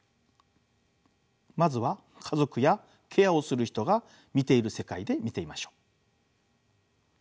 まずは家族やケアをする人が見ている世界で見てみましょう。